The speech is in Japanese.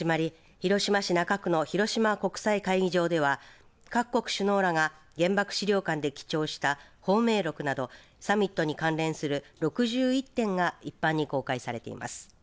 広島市中区の広島国際会議場では各国首脳らが原爆資料館で記帳した芳名録などサミットに関連する６１点が一般に公開されています。